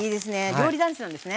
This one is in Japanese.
料理男子なんですね。